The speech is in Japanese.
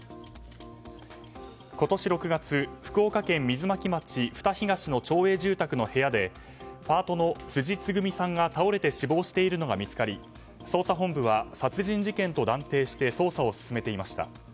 今年６月、福岡県水巻町二東の町営住宅の部屋でパートの辻つぐみさんが倒れて死亡しているのが見つかり捜査本部は殺人事件として断定して捜査を進めていました。